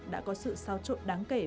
đã có sự sao trộn đáng kể